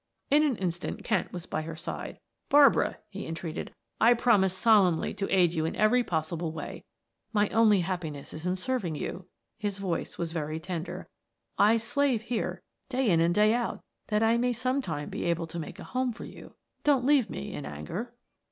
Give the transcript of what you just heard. In an instant Kent was by her side. "Barbara," he entreated. "I promise solemnly to aid you in every possible way. My only happiness is in serving you," his voice was very tender. "I slave here day in and day out that I may sometime be able to make a home for you. Don't leave me in anger."